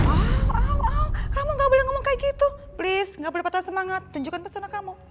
oh kamu gak boleh ngomong kayak gitu please gak boleh patah semangat tunjukkan pesona kamu